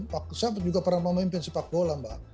saya juga pernah memimpin sepak bola mbak